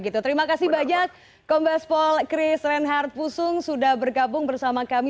terima kasih banyak kompes pol kris reinhardt pusung sudah berkabung bersama kami